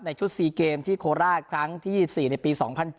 ชุด๔เกมที่โคราชครั้งที่๒๔ในปี๒๐๐๗